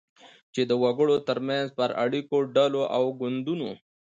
چی د وګړو ترمنځ پر اړیکو، ډلو او ګوندونو